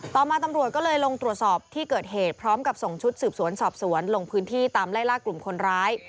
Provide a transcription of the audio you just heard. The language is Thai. ต่อมาตำรวจก็เลยลงตรวจสอบที่เกิดเหตุพร้อมกับส่งชุดสืบสวนสอบสวนลงพื้นที่ตามไล่ล่ากลุ่มคนร้าย